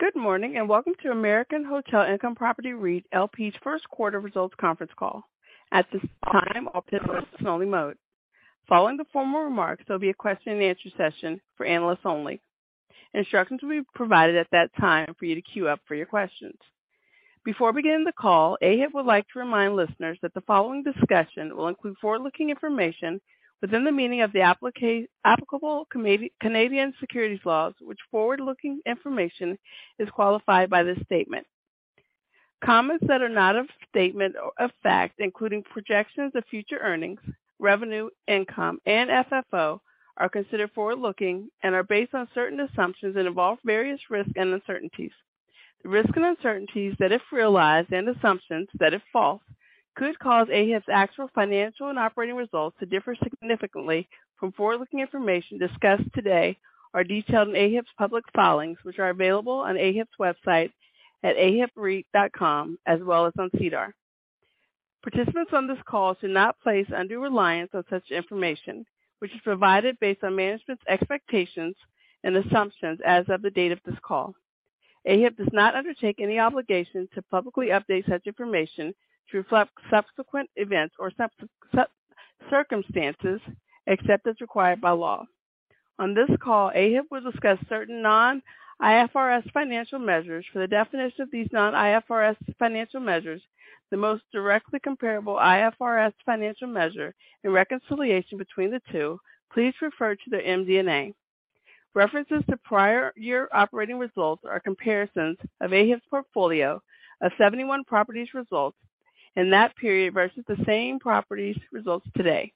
Good morning, welcome to American Hotel Income Properties REIT LP's 1st quarter results conference call. At this time, I'll put us in listen-only mode. Following the formal remarks, there'll be a question and answer session for analysts only. Instructions will be provided at that time for you to queue up for your questions. Before beginning the call, AHIP would like to remind listeners that the following discussion will include forward-looking information within the meaning of the applicable Canadian Securities laws, which forward-looking information is qualified by this statement. Comments that are not a statement of fact, including projections of future earnings, revenue, income, and FFO, are considered forward-looking and are based on certain assumptions and involve various risks and uncertainties. The risks and uncertainties that if realized and assumptions that if false, could cause AHIP's actual financial and operating results to differ significantly from forward-looking information discussed today are detailed in AHIP's public filings, which are available on AHIP's website at ahipreit.com, as well as on SEDAR. Participants on this call should not place undue reliance on such information, which is provided based on management's expectations and assumptions as of the date of this call. AHIP does not undertake any obligation to publicly update such information to reflect subsequent events or circumstances except as required by law. On this call, AHIP will discuss certain non-IFRS financial measures. For the definition of these non-IFRS financial measures, the most directly comparable IFRS financial measure and reconciliation between the two, please refer to their MD&A. References to prior year operating results are comparisons of AHIP's portfolio of 71 properties results in that period versus the same properties results today.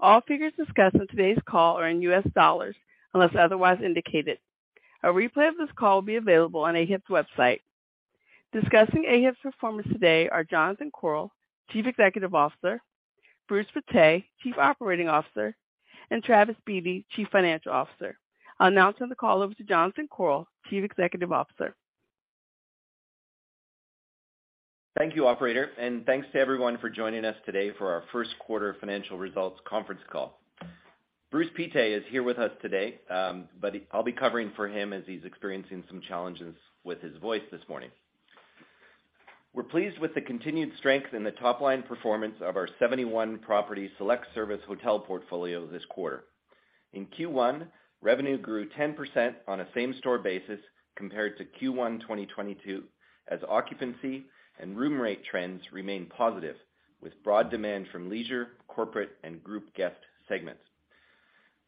All figures discussed on today's call are in US dollars unless otherwise indicated. A replay of this call will be available on AHIP's website. Discussing AHIP's performance today are Jonathan Korol, Chief Executive Officer, Bruce Pitre, Chief Operating Officer, and Travis Beatty, Chief Financial Officer. I'll now turn the call over to Jonathan Korol, Chief Executive Officer. Thank you, operator. Thanks to everyone for joining us today for our first quarter financial results conference call. Bruce Pitre is here with us today, but I'll be covering for him as he's experiencing some challenges with his voice this morning. We're pleased with the continued strength in the top-line performance of our 71 property select-service hotel portfolio this quarter. In Q1, revenue grew 10% on a same store basis compared to Q1 2022, as occupancy and room rate trends remain positive, with broad demand from leisure, corporate, and group guest segments.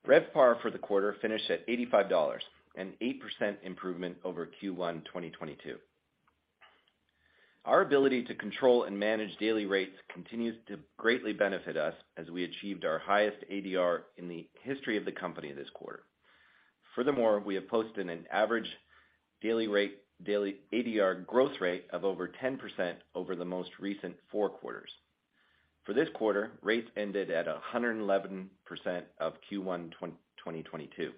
RevPAR for the quarter finished at $85, an 8% improvement over Q1 2022. Our ability to control and manage daily rates continues to greatly benefit us as we achieved our highest ADR in the history of the company this quarter. We have posted an ADR growth rate of over 10% over the most recent 4 quarters. For this quarter, rates ended at 111% of Q1 2022.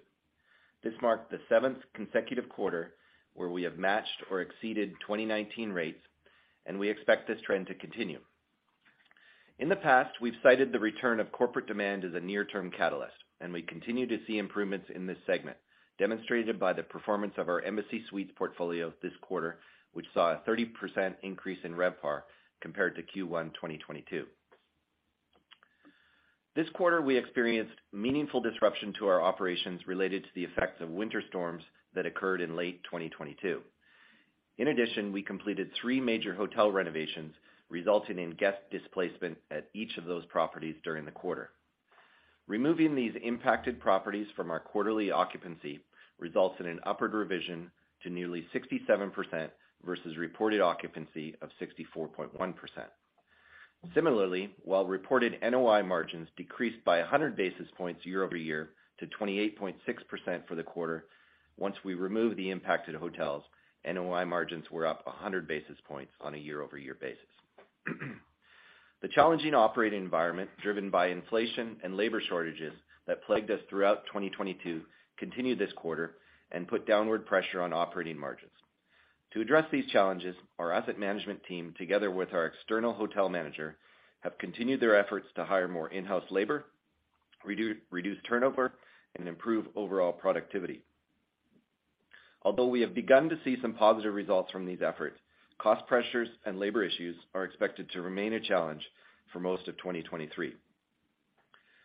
This marked the seventh consecutive quarter where we have matched or exceeded 2019 rates. We expect this trend to continue. In the past, we've cited the return of corporate demand as a near term catalyst. We continue to see improvements in this segment, demonstrated by the performance of our Embassy Suites portfolio this quarter, which saw a 30% increase in RevPAR compared to Q1 2022. This quarter, we experienced meaningful disruption to our operations related to the effects of winter storms that occurred in late 2022. We completed 3 major hotel renovations, resulting in guest displacement at each of those properties during the quarter. Removing these impacted properties from our quarterly occupancy results in an upward revision to nearly 67% versus reported occupancy of 64.1%. Similarly, while reported NOI margins decreased by 100 basis points year-over-year to 28.6% for the quarter, once we remove the impacted hotels, NOI margins were up 100 basis points on a year-over-year basis. The challenging operating environment driven by inflation and labor shortages that plagued us throughout 2022 continued this quarter and put downward pressure on operating margins. To address these challenges, our asset management team, together with our external hotel manager, have continued their efforts to reduce turnover, and improve overall productivity. Although we have begun to see some positive results from these efforts, cost pressures and labor issues are expected to remain a challenge for most of 2023.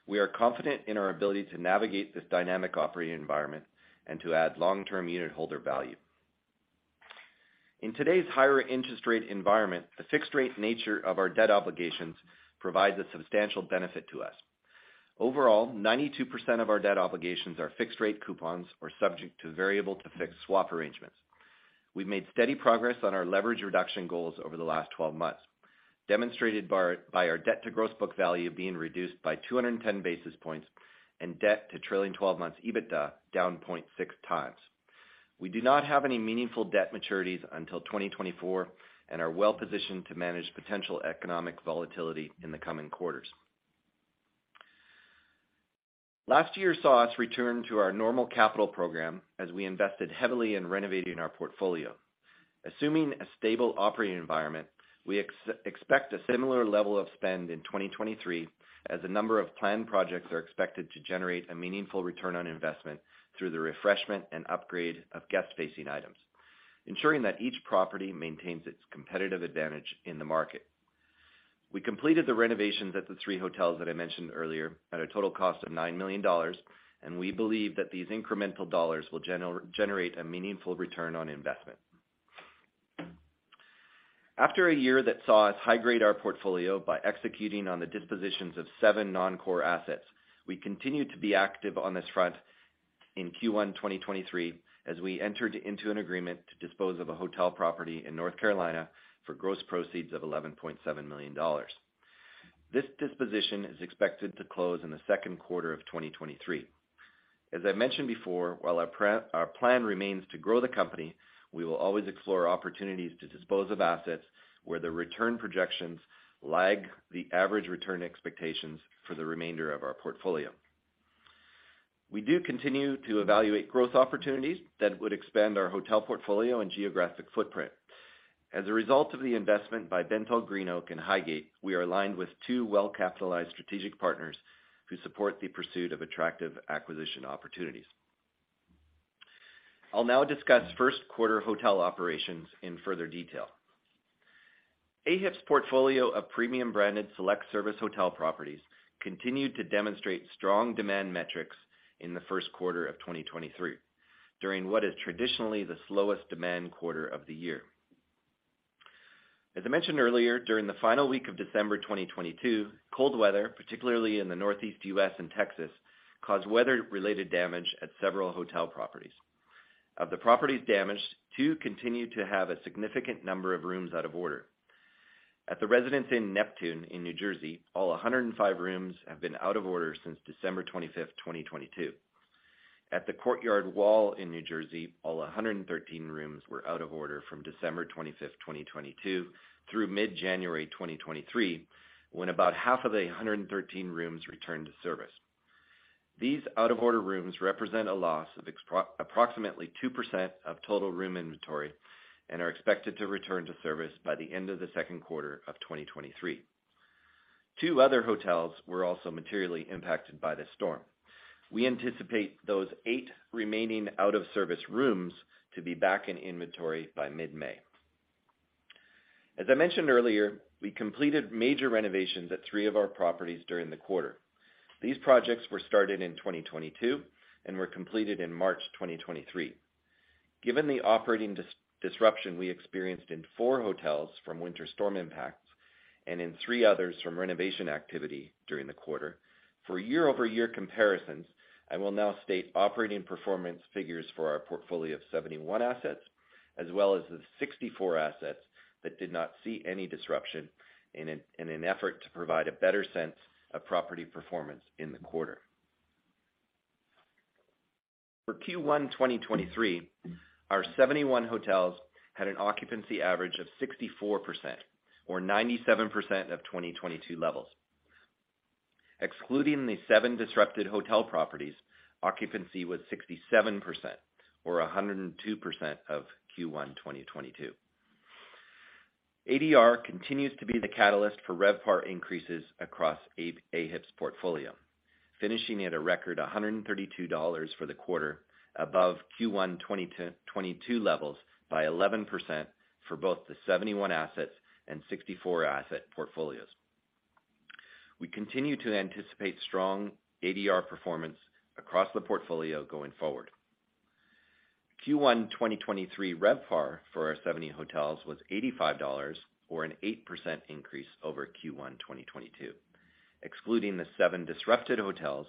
We are confident in our ability to navigate this dynamic operating environment and to add long-term unit holder value. In today's higher interest rate environment, the fixed rate nature of our debt obligations provides a substantial benefit to us. Overall, 92% of our debt obligations are fixed rate coupons or subject to variable to fixed swap arrangements. We've made steady progress on our leverage reduction goals over the last 12 months, demonstrated by our debt to gross book value being reduced by 210 basis points and debt to trailing 12 months EBITDA down 0.6 times. We do not have any meaningful debt maturities until 2024 and are well-positioned to manage potential economic volatility in the coming quarters. Last year saw us return to our normal capital program as we invested heavily in renovating our portfolio. Assuming a stable operating environment, we expect a similar level of spend in 2023 as a number of planned projects are expected to generate a meaningful return on investment through the refreshment and upgrade of guest-facing items, ensuring that each property maintains its competitive advantage in the market. We completed the renovations at the 3 hotels that I mentioned earlier at a total cost of $9 million, We believe that these incremental dollars will generate a meaningful return on investment. After a year that saw us high grade our portfolio by executing on the dispositions of 7 non-core assets, we continue to be active on this front in Q1 2023 as we entered into an agreement to dispose of a hotel property in North Carolina for gross proceeds of $11.7 million. This disposition is expected to close in the second quarter of 2023. As I mentioned before, while our plan remains to grow the company, we will always explore opportunities to dispose of assets where the return projections lag the average return expectations for the remainder of our portfolio. We do continue to evaluate growth opportunities that would expand our hotel portfolio and geographic footprint. As a result of the investment by BentallGreenOak and Highgate, we are aligned with 2 well-capitalized strategic partners who support the pursuit of attractive acquisition opportunities. I'll now discuss first quarter hotel operations in further detail. AHIP's portfolio of premium branded select service hotel properties continued to demonstrate strong demand metrics in the first quarter of 2023, during what is traditionally the slowest demand quarter of the year. As I mentioned earlier, during the final week of December 2022, cold weather, particularly in the Northeast U.S. and Texas, caused weather-related damage at several hotel properties. Of the properties damaged, 2 continue to have a significant number of rooms out of order. At the Residence Inn Neptune in New Jersey, all 105 rooms have been out of order since December 25th, 2022. At the Courtyard Wall in New Jersey, all 113 rooms were out of order from December 25th, 2022 through mid-January 2023, when about half of the 113 rooms returned to service. These out of order rooms represent a loss of approximately 2% of total room inventory and are expected to return to service by the end of the second quarter of 2023. 2 other hotels were also materially impacted by the storm. We anticipate those 8 remaining out of service rooms to be back in inventory by mid-May. As I mentioned earlier, we completed major renovations at 3 of our properties during the quarter. These projects were started in 2022 and were completed in March 2023. Given the operating disruption we experienced in 4 hotels from winter storm impacts and in 3 others from renovation activity during the quarter, for year-over-year comparisons, I will now state operating performance figures for our portfolio of 71 assets, as well as the 64 assets that did not see any disruption in an effort to provide a better sense of property performance in the quarter. For Q1 2023, our 71 hotels had an occupancy average of 64% or 97% of 2022 levels. Excluding the 7 disrupted hotel properties, occupancy was 67% or 102% of Q1 2022. ADR continues to be the catalyst for RevPAR increases across AHIP's portfolio, finishing at a record $132 for the quarter above Q1 2022 levels by 11% for both the 71 assets and 64 asset portfolios. We continue to anticipate strong ADR performance across the portfolio going forward. Q1 2023 RevPAR for our 70 hotels was $85 or an 8% increase over Q1 2022. Excluding the 7 disrupted hotels,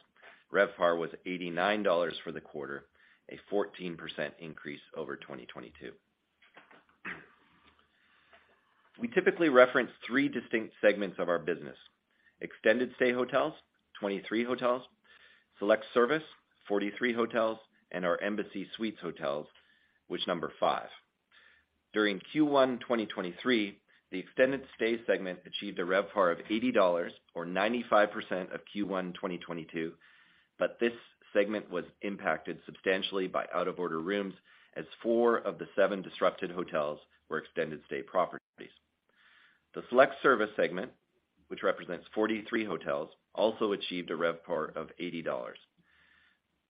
RevPAR was $89 for the quarter, a 14% increase over 2022. We typically reference 3 distinct segments of our business: extended stay hotels, 23 hotels, select service, 43 hotels, and our Embassy Suites hotels, which number 5. During Q1 2023, the extended stay segment achieved a RevPAR of $80 or 95% of Q1 2022, but this segment was impacted substantially by out-of-order rooms as 4 of the 7 disrupted hotels were extended stay properties. The select service segment, which represents 43 hotels, also achieved a RevPAR of $80.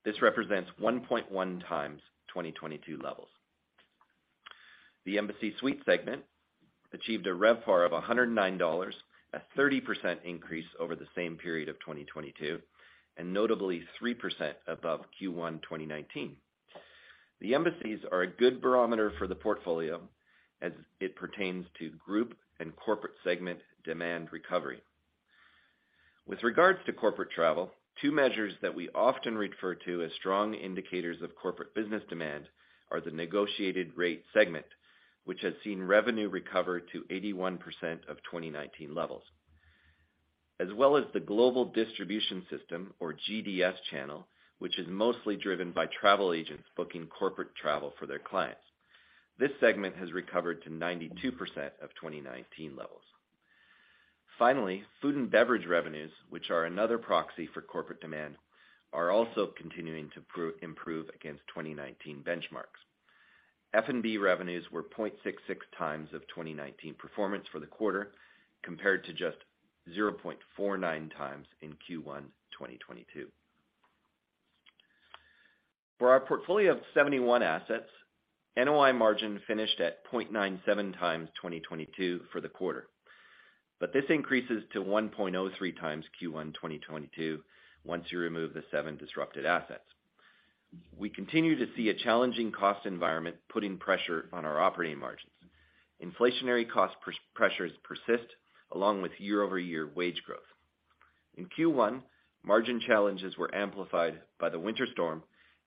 This represents 1.1x 2022 levels. The Embassy Suites segment achieved a RevPAR of $109, a 30% increase over the same period of 2022, and notably 3% above Q1, 2019. The Embassies are a good barometer for the portfolio as it pertains to group and corporate segment demand recovery. With regards to corporate travel, 2 measures that we often refer to as strong indicators of corporate business demand are the negotiated rate segment, which has seen revenue recover to 81% of 2019 levels. As well as the global distribution system or GDS channel, which is mostly driven by travel agents booking corporate travel for their clients. This segment has recovered to 92% of 2019 levels. Finally, food and beverage revenues, which are another proxy for corporate demand, are also continuing to improve against 2019 benchmarks. F&B revenues were 0.66 times of 2019 performance for the quarter, compared to just 0.49 times in Q1 2022. For our portfolio of 71 assets, NOI margin finished at 0.97 times 2022 for the quarter. This increases to 1.03 times Q1 2022 once you remove the 7 disrupted assets. We continue to see a challenging cost environment putting pressure on our operating margins. Inflationary cost pressures persist, along with year-over-year wage growth. In Q1, margin challenges were amplified by the winter storm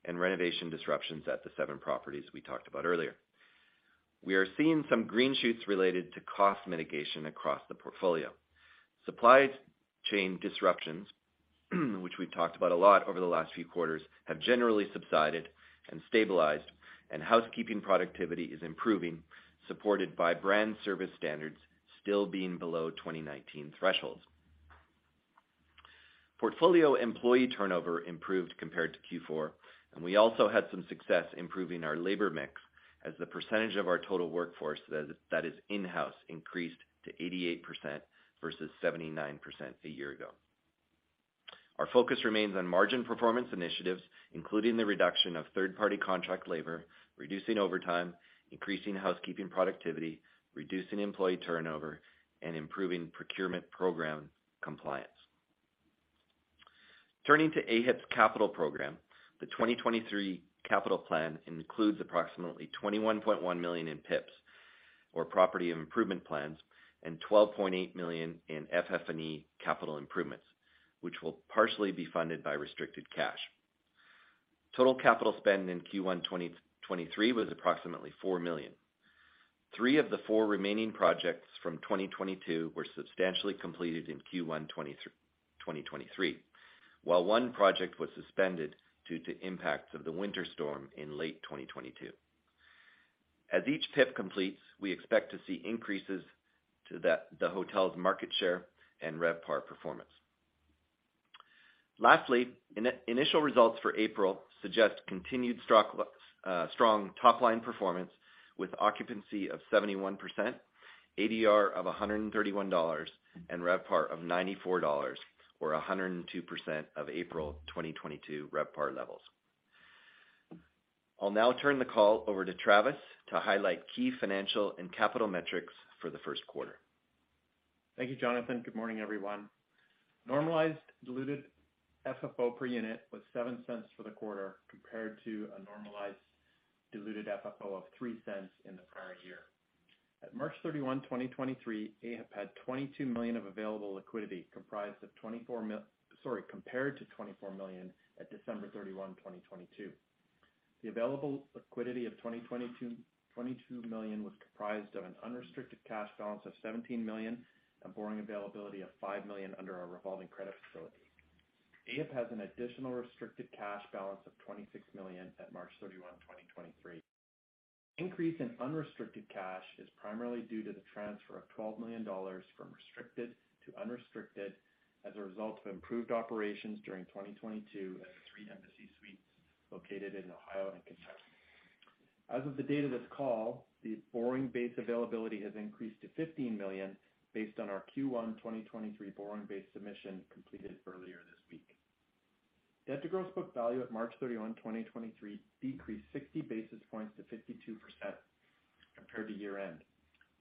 and renovation disruptions at the 7 properties we talked about earlier. We are seeing some green shoots related to cost mitigation across the portfolio. Supply chain disruptions, which we've talked about a lot over the last few quarters, have generally subsided and stabilized. Housekeeping productivity is improving, supported by brand service standards still being below 2019 thresholds. Portfolio employee turnover improved compared to Q4. We also had some success improving our labor mix as the percentage of our total workforce that is in-house increased to 88% versus 79% a year ago. Our focus remains on margin performance initiatives, including the reduction of third-party contract labor, reducing overtime, increasing housekeeping productivity, reducing employee turnover, and improving procurement program compliance. Turning to AHIP's capital program, the 2023 capital plan includes approximately $21.1 million in PIPs, or Property Improvement Plans, $12.8 million in FF&E capital improvements, which will partially be funded by restricted cash. Total capital spend in Q1 2023 was approximately $4 million. 3 of the 4 remaining projects from 2022 were substantially completed in Q1 2023, while 1 project was suspended due to impacts of the winter storm in late 2022. As each PIP completes, we expect to see increases to the hotel's market share and RevPAR performance. Lastly, initial results for April suggest continued strong top-line performance with occupancy of 71%, ADR of $131, and RevPAR of $94, or 102% of April 2022 RevPAR levels. I'll now turn the call over to Travis to highlight key financial and capital metrics for the first quarter. Thank you, Jonathan. Good morning, everyone. Normalized diluted FFO per unit was $0.07 for the quarter compared to a normalized diluted FFO of $0.03 in the prior year. At March 31, 2023, AHIP had $22 million of available liquidity compared to $24 million at December 31, 2022. The available liquidity of $22 million was comprised of an unrestricted cash balance of $17 million and borrowing availability of $5 million under our revolving credit facility. AHIP has an additional restricted cash balance of $26 million at March 31, 2023. Increase in unrestricted cash is primarily due to the transfer of $12 million from restricted to unrestricted as a result of improved operations during 2022 at 3 Embassy Suites located in Ohio and Kentucky. As of the date of this call, the borrowing base availability has increased to $15 million based on our Q1 2023 borrowing base submission completed earlier this week. Debt to gross book value at March 31, 2023 decreased 60 basis points to 52% compared to year-end.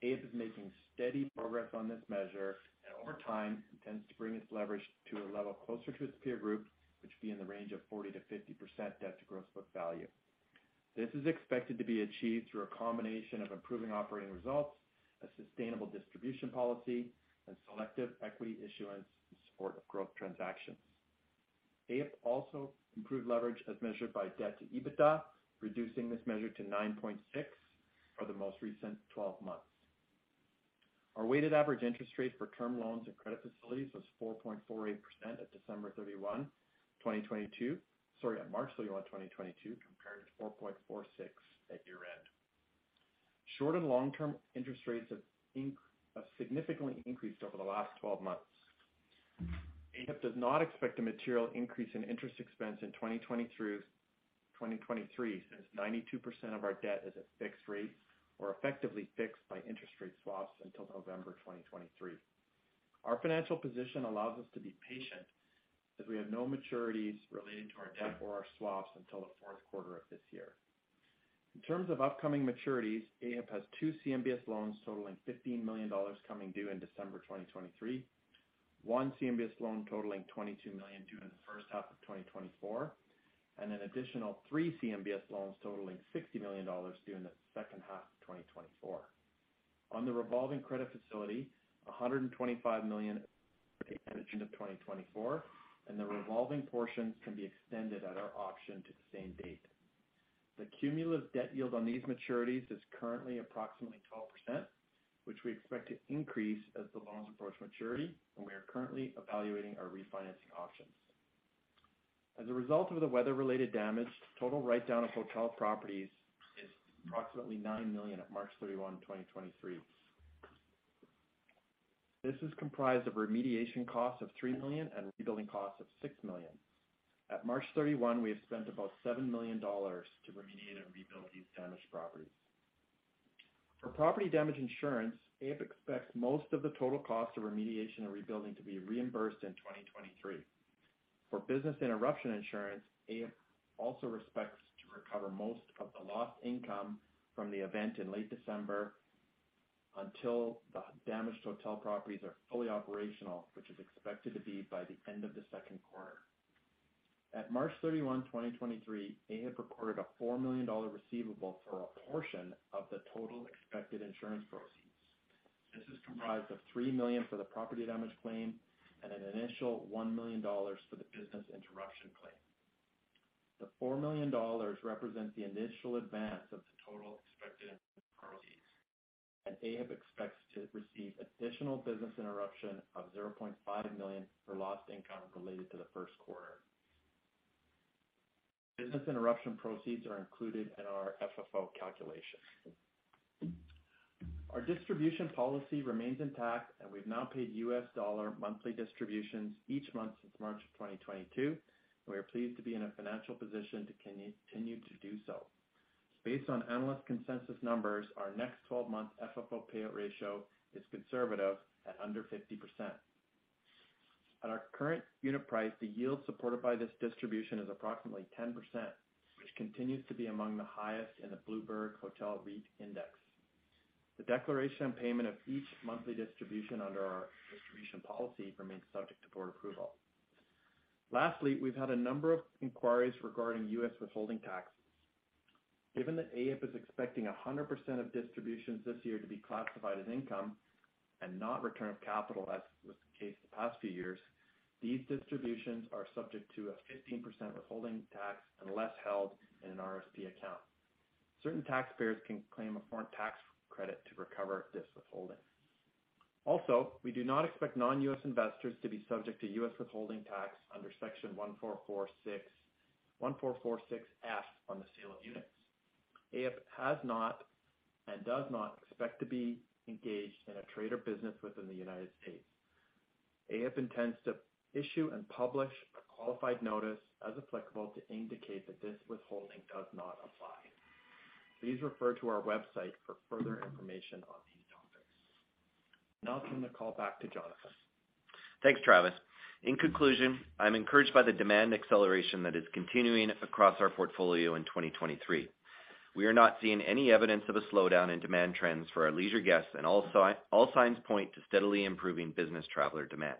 AHIP is making steady progress on this measure and over time intends to bring its leverage to a level closer to its peer group, which would be in the range of 40%-50% debt to gross book value. This is expected to be achieved through a combination of improving operating results, a sustainable distribution policy, and selective equity issuance in support of growth transactions. AHIP also improved leverage as measured by debt to EBITDA, reducing this measure to 9.6 for the most recent 12 months. Our weighted average interest rate for term loans and credit facilities was 4.48% at December 31, 2022. Sorry, at March 31, 2022, compared to 4.46 at year-end. Short and long-term interest rates have significantly increased over the last 12 months. AHIP does not expect a material increase in interest expense in 2023, since 92% of our debt is at fixed rate or effectively fixed by interest rate swaps until November 2023. Our financial position allows us to be patient as we have no maturities relating to our debt or our swaps until the fourth quarter of this year. In terms of upcoming maturities, AHIP has 2 CMBS loans totaling $15 million coming due in December 2023, 1 CMBS loan totaling $22 million due in the first half of 2024, and an additional 3 CMBS loans totaling $60 million due in the second half of 2024. On the revolving credit facility, $125 million is due at the end of 2024. The revolving portions can be extended at our option to the same date. The cumulative debt yield on these maturities is currently approximately 12%, which we expect to increase as the loans approach maturity. We are currently evaluating our refinancing options. As a result of the weather-related damage, total write-down of hotel properties is approximately $9 million at March 31, 2023. This is comprised of remediation costs of $3 million and rebuilding costs of $6 million. At March 31, we have spent about $7 million to remediate and rebuild these damaged properties. For property damage insurance, AHIP expects most of the total cost of remediation and rebuilding to be reimbursed in 2023. For business interruption insurance, AHIP also expects to recover most of the lost income from the event in late December until the damaged hotel properties are fully operational, which is expected to be by the end of the second quarter. At March 31, 2023, AHIP recorded a $4 million receivable for a portion of the total expected insurance proceeds. This is comprised of $3 million for the property damage claim and an initial $1 million for the business interruption claim. The $4 million represents the initial advance of the total expected insurance proceeds. AHIP expects to receive additional business interruption of $0.5 million for lost income related to the first quarter. Business interruption proceeds are included in our FFO calculation. Our distribution policy remains intact. We've now paid U.S. dollar monthly distributions each month since March 2022. We are pleased to be in a financial position to continue to do so. Based on analyst consensus numbers, our next 12-month FFO payout ratio is conservative at under 50%. At our current unit price, the yield supported by this distribution is approximately 10%, which continues to be among the highest in the Bloomberg REIT Hotels Index. The declaration and payment of each monthly distribution under our distribution policy remains subject to board approval. Lastly, we've had a number of inquiries regarding U.S. withholding taxes. Given that AHIP is expecting 100% of distributions this year to be classified as income and not return of capital, as was the case the past few years, these distributions are subject to a 15% withholding tax unless held in an RSP account. Certain taxpayers can claim a foreign tax credit to recover this withholding. We do not expect non-U.S. investors to be subject to U.S. withholding tax under Section 1446(f) on the sale of units. AHIP has not and does not expect to be engaged in a trade or business within the United States. AHIP intends to issue and publish a qualified notice as applicable to indicate that this withholding does not apply. Please refer to our website for further information on these topics. I'll turn the call back to Jonathan. Thanks, Travis. In conclusion, I'm encouraged by the demand acceleration that is continuing across our portfolio in 2023. We are not seeing any evidence of a slowdown in demand trends for our leisure guests and all signs point to steadily improving business traveler demand.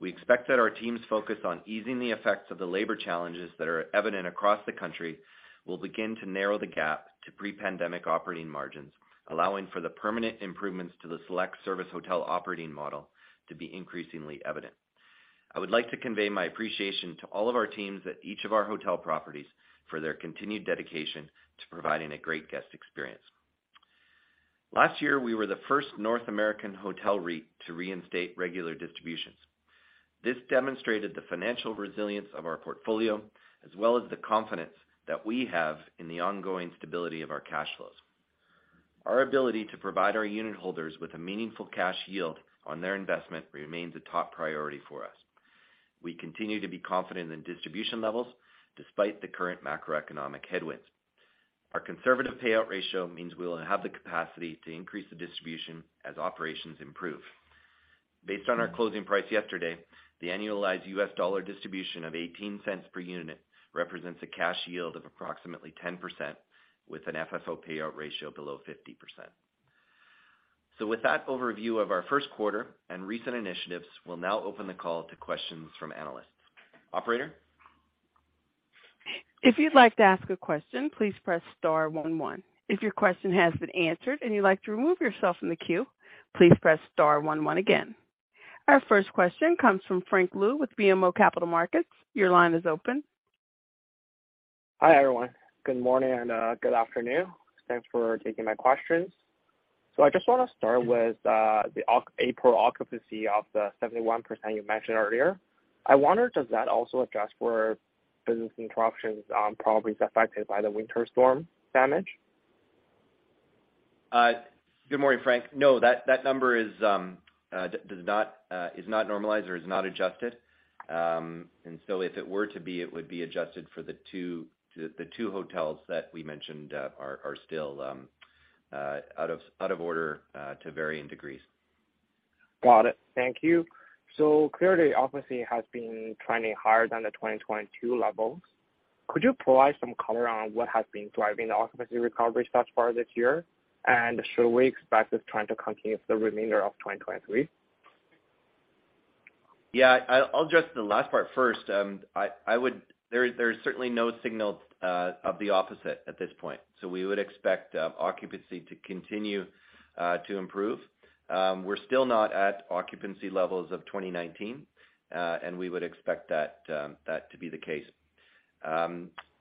We expect that our team's focus on easing the effects of the labor challenges that are evident across the country will begin to narrow the gap to pre-pandemic operating margins, allowing for the permanent improvements to the select service hotel operating model to be increasingly evident. I would like to convey my appreciation to all of our teams at each of our hotel properties for their continued dedication to providing a great guest experience. Last year, we were the first North American hotel REIT to reinstate regular distributions. This demonstrated the financial resilience of our portfolio, as well as the confidence that we have in the ongoing stability of our cash flows. Our ability to provide our unit holders with a meaningful cash yield on their investment remains a top priority for us. We continue to be confident in distribution levels despite the current macroeconomic headwinds. Our conservative payout ratio means we will have the capacity to increase the distribution as operations improve. Based on our closing price yesterday, the annualized US dollar distribution of $0.18 per unit represents a cash yield of approximately 10% with an FFO payout ratio below 50%. With that overview of our first quarter and recent initiatives, we'll now open the call to questions from analysts. Operator? If you'd like to ask a question, please press star 1-1. If your question has been answered and you'd like to remove yourself from the queue, please press star 1 1 again. Our first question comes from Frank Liu with BMO Capital Markets. Your line is open. Hi, everyone. Good morning, good afternoon. Thanks for taking my questions. I just wanna start with April occupancy of the 71% you mentioned earlier. I wonder, does that also adjust for business interruptions, properties affected by the winter storm damage? Good morning, Frank. No, that number is does not is not normalized or is not adjusted. If it were to be, it would be adjusted for the 2 hotels that we mentioned are still out of order to varying degrees. Got it. Thank you. Clearly, occupancy has been trending higher than the 2022 levels. Could you provide some color on what has been driving the occupancy recovery thus far this year? Should we expect this trend to continue the remainder of 2023? Yeah. I'll address the last part first. There is certainly no signal of the opposite at this point. We would expect occupancy to continue to improve. We're still not at occupancy levels of 2019, and we would expect that that to be the case.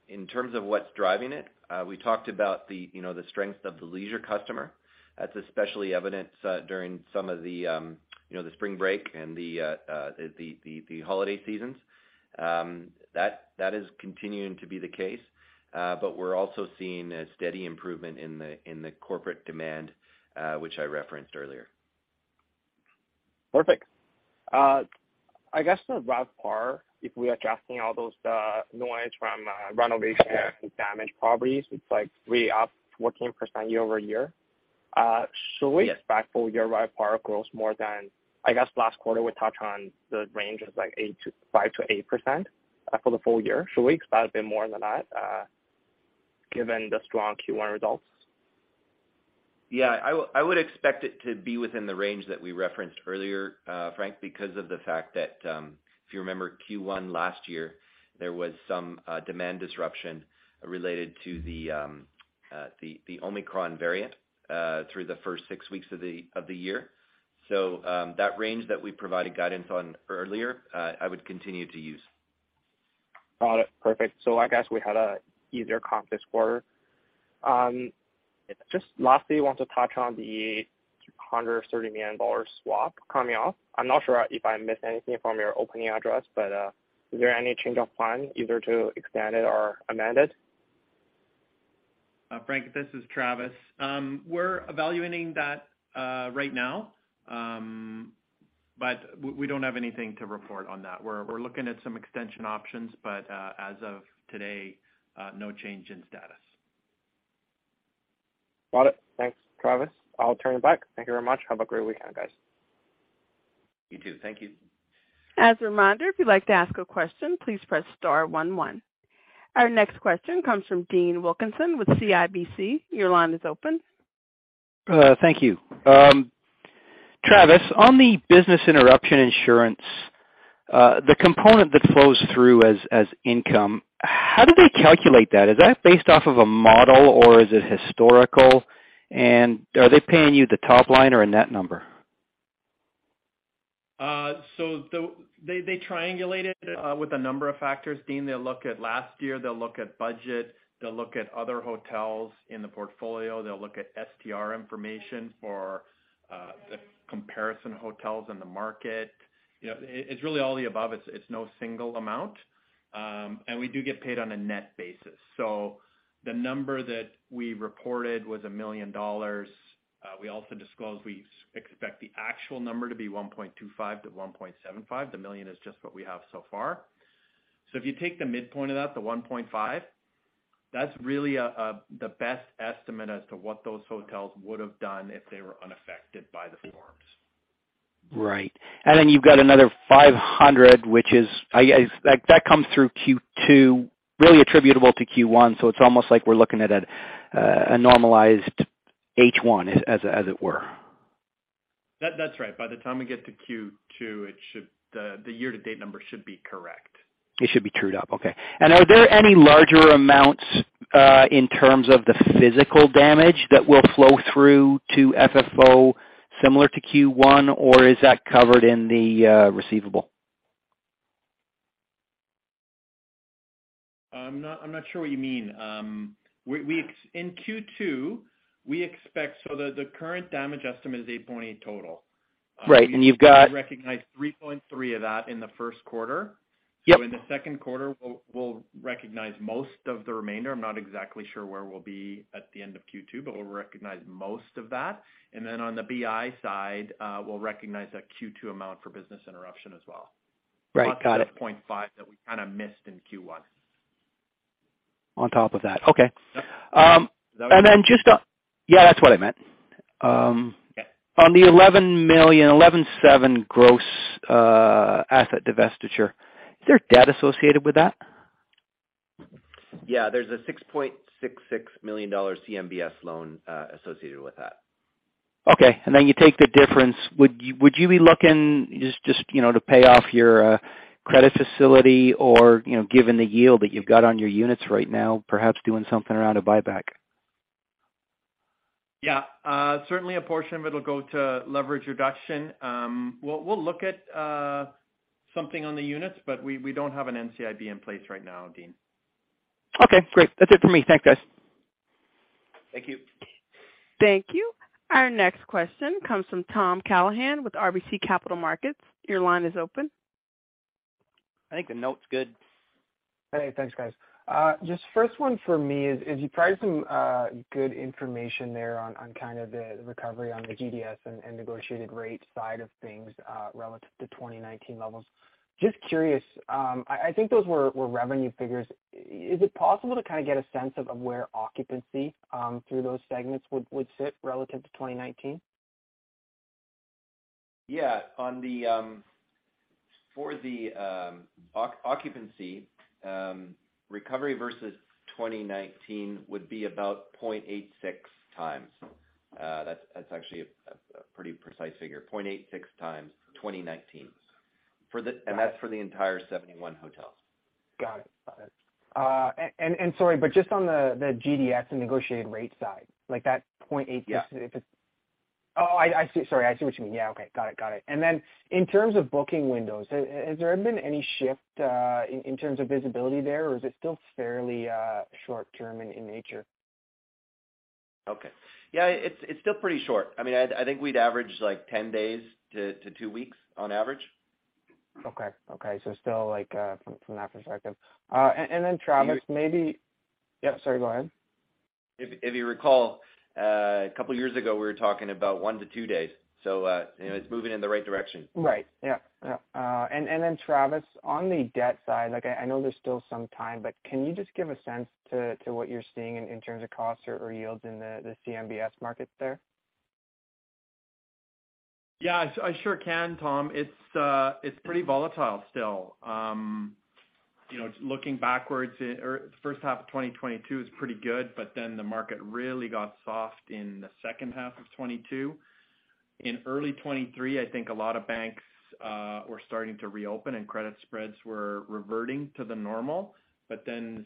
In terms of what's driving it, we talked about the, you know, the strength of the leisure customer. That's especially evident during some of the, you know, the spring break and the holiday seasons. That is continuing to be the case. We're also seeing a steady improvement in the corporate demand, which I referenced earlier. Perfect. I guess the RevPAR, if we're adjusting all those, noise from, renovation. Yeah Damage properties, it's like way up 14% year-over-year. Yes. should we expect full year RevPAR growth more than... I guess last quarter, we touched on the range is like 5% to 8% for the full year. Should we expect a bit more than that, given the strong Q1 results? Yeah. I would expect it to be within the range that we referenced earlier, Frank, because of the fact that, if you remember Q1 last year, there was some demand disruption related to the Omicron variant, through the first 6 weeks of the year. That range that we provided guidance on earlier, I would continue to use. Got it. Perfect. I guess we had a easier comp this quarter. Just lastly, want to touch on the $330 million swap coming off. I'm not sure if I missed anything from your opening address, is there any change of plan either to extend it or amend it? Frank, this is Travis. We're evaluating that right now. We don't have anything to report on that. We're looking at some extension options, but as of today, no change in status. Got it. Thanks, Travis. I'll turn it back. Thank you very much. Have a great weekend, guys. You too. Thank you. As a reminder, if you'd like to ask a question, please press star 1-1. Our next question comes from Dean Wilkinson with CIBC. Your line is open. Thank you. Travis, on the business interruption insurance, the component that flows through as income, how do they calculate that? Is that based off of a model, or is it historical? Are they paying you the top line or a net number? They triangulate it with a number of factors, Dean. They'll look at last year, they'll look at budget, they'll look at other hotels in the portfolio. They'll look at STR information for the comparison hotels in the market. You know, it's really all the above. It's, it's no single amount. We do get paid on a net basis. The number that we reported was $1 million. We also disclosed we expect the actual number to be $1.25-$1.75. The $1 million is just what we have so far. If you take the midpoint of that, the $1.5, that's really, the best estimate as to what those hotels would've done if they were unaffected by the storms. Right. Then you've got another $500, which is, like, that comes through Q2, really attributable to Q1. It's almost like we're looking at a normalized H1 as it were. That's right. By the time we get to Q2, the year-to-date number should be correct. It should be trued up. Okay. Are there any larger amounts in terms of the physical damage that will flow through to FFO similar to Q1, or is that covered in the receivable? I'm not sure what you mean. In Q2, the current damage estimate is $8.8 total. Right. you've We recognize $3.3 of that in the first quarter. Yep. In the second quarter, we'll recognize most of the remainder. I'm not exactly sure where we'll be at the end of Q2, but we'll recognize most of that. On the BI side, we'll recognize that Q2 amount for business interruption as well. Right. Got it. The 0.5 that we kinda missed in Q1. On top of that. Okay. Yep. Um- Does that- Just on. Yeah, that's what I meant. Yeah. On the $11 million, $11.7 million gross asset divestiture, is there debt associated with that? There's a $6.66 million CMBS loan associated with that. Okay. Then you take the difference. Would you be looking just, you know, to pay off your credit facility or, you know, given the yield that you've got on your units right now, perhaps doing something around a buyback? Certainly a portion of it'll go to leverage reduction. We'll look at something on the units, but we don't have an NCIB in place right now, Dean. Okay, great. That's it for me. Thanks, guys. Thank you. Thank you. Our next question comes from Tom Callahan with RBC Capital Markets. Your line is open. I think the note's good. Hey, thanks, guys. Just first one for me is you provided some good information there on kind of the recovery on the GDS and negotiated rate side of things relative to 2019 levels. Just curious, I think those were revenue figures. Is it possible to kind of get a sense of where occupancy through those segments would sit relative to 2019? Yeah. Occupancy recovery versus 2019 would be about 0.86 times. That's actually a pretty precise figure, 0.86 times 2019. Got it. That's for the entire 71 hotels. Got it. Got it. Sorry, but just on the GDS and negotiated rate side, like that 0.86- Yeah. Oh, I see. Sorry, I see what you mean. Yeah, okay, got it, got it. Then in terms of booking windows, has there been any shift in terms of visibility there or is it still fairly short-term in nature? Okay. Yeah, it's still pretty short. I mean, I think we'd average like 10 days to 2 weeks on average. Okay. still like, from that perspective. Then Travis, maybe... If- Yeah, sorry, go ahead. If you recall, a couple years ago, we were talking about 1-2 days, you know, it's moving in the right direction. Right. Yeah. Yeah. Then Travis, on the debt side, like I know there's still some time, but can you just give a sense to what you're seeing in terms of costs or yields in the CMBS markets there? Yeah, I sure can, Tom. It's pretty volatile still. You know, looking backwards at first half of 2022 is pretty good. The market really got soft in the second half of '22. In early '23, I think a lot of banks were starting to reopen and credit spreads were reverting to the normal.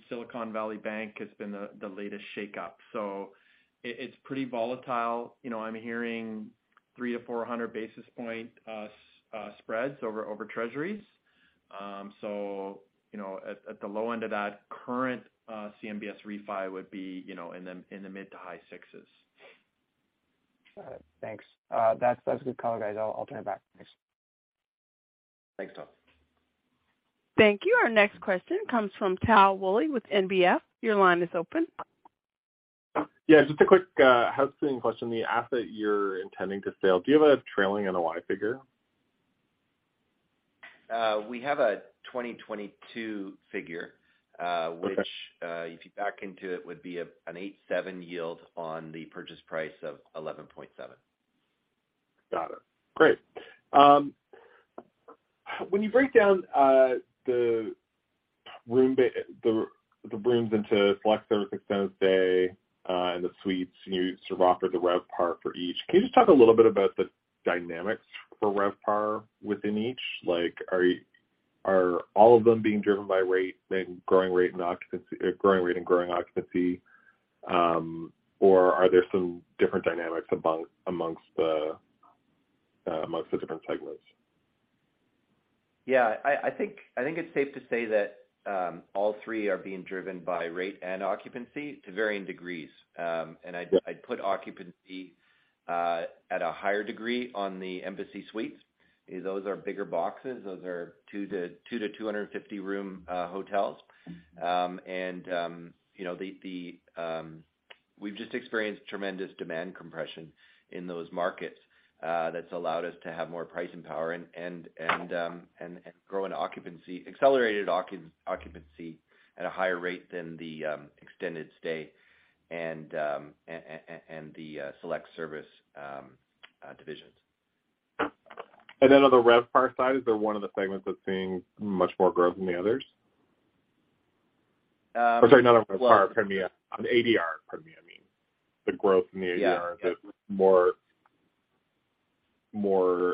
Silicon Valley Bank has been the latest shakeup. It's pretty volatile. You know, I'm hearing 300-400 basis point spreads over treasuries. You know, at the low end of that current CMBS refi would be, you know, in the mid to high 6s. Got it. Thanks. That's a good call, guys. I'll turn it back. Thanks. Thanks, Tom. Thank you. Our next question comes from Tal Woolley with NBF. Your line is open. Yeah, just a quick, housekeeping question. The asset you're intending to sell, do you have a trailing NOI figure? We have a 2022 figure. Okay. Which, if you back into it, would be an 8.7% yield on the purchase price of $11.7. Got it. Great. When you break down the rooms into select service, extended stay, and the suites, and you sort of offer the revpar for each, can you just talk a little bit about the dynamics for revpar within each? Like, are all of them being driven by rate, then growing rate and growing occupancy? Are there some different dynamics amongst the different segments? Yeah. I think it's safe to say that all 3 are being driven by rate and occupancy to varying degrees. Yeah. I'd put occupancy at a higher degree on the Embassy Suites. Those are bigger boxes. Those are 2-250 room hotels. You know, the... We've just experienced tremendous demand compression in those markets, that's allowed us to have more pricing power and grow an accelerated occupancy at a higher rate than the extended stay and the select service divisions. On the RevPAR side, is there one of the segments that's seeing much more growth than the others? Um, well- Sorry, not on RevPAR. Pardon me. On ADR. Pardon me, I mean. The growth in the ADR. Yeah. Yeah. Is it more?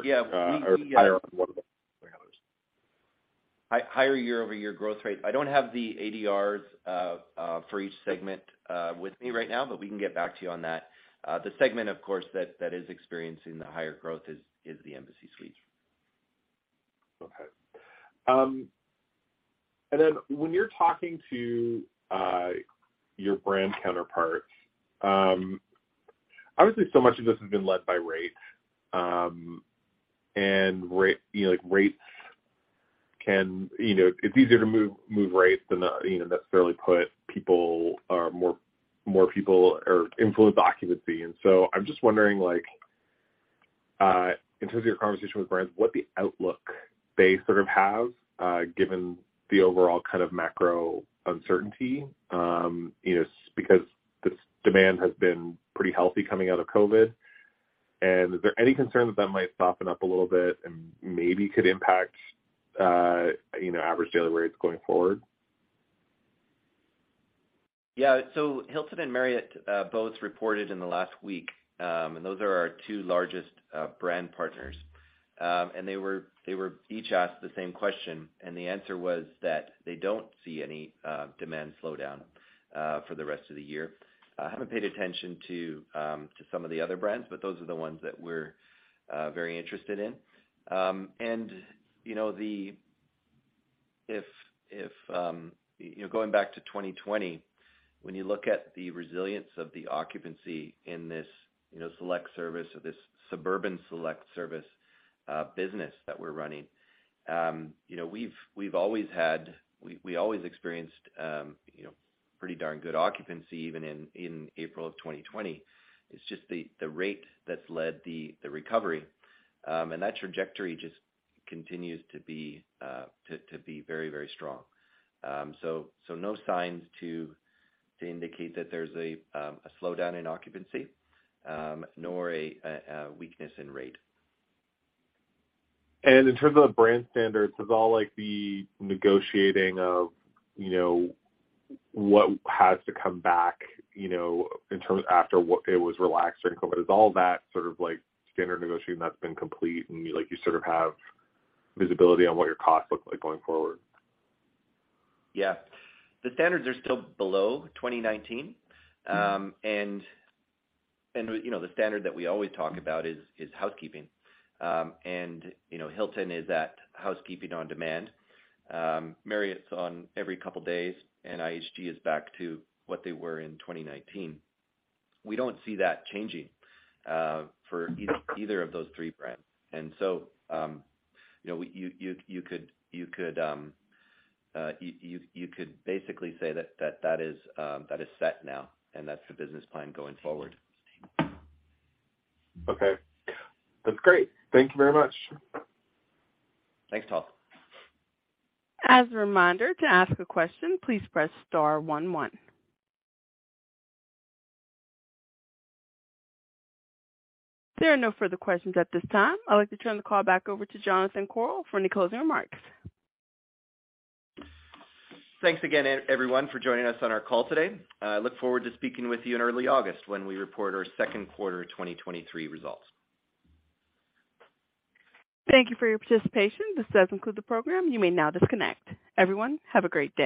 Yeah. We. Higher on one of them than the others. Higher year-over-year growth rate. I don't have the ADRs for each segment with me right now, but we can get back to you on that. The segment, of course, that is experiencing the higher growth is the Embassy Suites. Okay. Then when you're talking to your brand counterparts, obviously so much of this has been led by rate. You know, like rates can... You know, it's easier to move rates than, you know, necessarily put people or more people or influence occupancy. So I'm just wondering, like, in terms of your conversation with brands, what the outlook they sort of have given the overall kind of macro uncertainty, you know, because this demand has been pretty healthy coming out of COVID. Is there any concern that that might soften up a little bit and maybe could impact, you know, Average Daily Rates going forward? Hilton and Marriott both reported in the last week. Those are our 2 largest brand partners. They were each asked the same question, and the answer was that they don't see any demand slowdown for the rest of the year. I haven't paid attention to some of the other brands, but those are the ones that we're very interested in. You know, if you know, going back to 2020, when you look at the resilience of the occupancy in this, you know, select service or this suburban select service business that we're running, you know, we always experienced pretty darn good occupancy even in April of 2020. It's just the rate that's led the recovery. That trajectory just continues to be to be very strong. No signs to indicate that there's a slowdown in occupancy, nor a weakness in rate. In terms of the brand standards, is all, like the negotiating of, you know, what has to come back, you know, after what it was relaxed during COVID, is all that sort of like standard negotiating that's been complete and like you sort of have visibility on what your costs look like going forward? Yeah. The standards are still below 2019. You know, the standard that we always talk about is housekeeping. You know, Hilton is at housekeeping on demand. Marriott's on every couple days, IHG is back to what they were in 2019. We don't see that changing for either of those 3 brands. You know, you could basically say that that is set now and that's the business plan going forward. Okay. That's great. Thank you very much. Thanks, Tal. As a reminder, to ask a question, please press star 1-1. There are no further questions at this time. I'd like to turn the call back over to Jonathan Korol for any closing remarks. Thanks again everyone for joining us on our call today. Look forward to speaking with you in early August when we report our second quarter 2023 results. Thank you for your participation. This does conclude the program. You may now disconnect. Everyone, have a great day.